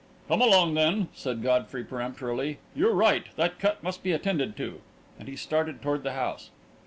"Come along, then," said Godfrey peremptorily. "You're right that cut must be attended to," and he started toward the house.